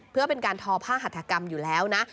เพื่อเป็นการทอผ้าหัฐกรรมอยู่แล้วนะ